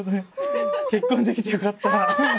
結婚できてよかった！